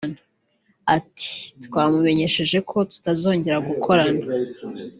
Ati“ Twamumenyesheje ko tutazongera gukorana